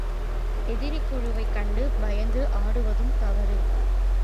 எதிர்க்குழுவைக் கண்டு பயந்து ஆடுவதும் தவறு.